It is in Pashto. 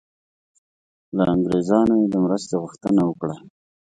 له انګریزانو یې د مرستې غوښتنه وکړه.